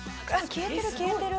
消えてる消えてる！